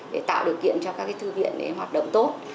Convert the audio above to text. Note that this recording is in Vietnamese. để tạo điều kiện cho các cái thư viện để hoạt động tốt